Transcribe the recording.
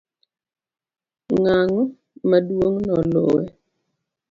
ng'ang' maduong' noluwe